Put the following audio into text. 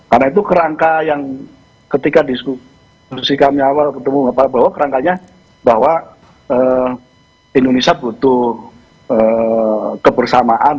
karena itu kerangka yang ketika diskusi kami awal ketemu bapak bahwa kerangkanya bahwa indonesia butuh kebersamaan untuk menghadapi berbagai hal